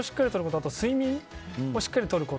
あと、睡眠をしっかりとること。